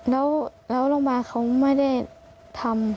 แล้วโรงพยาบาลเขาไม่ได้ทำ